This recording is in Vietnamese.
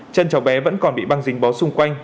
chân cháu bé vẫn còn bị băng dính bó xung quanh